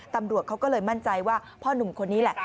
ตำรวจเขาก็เลยมั่นใจว่าพ่อหนุ่มคนนี้แหละ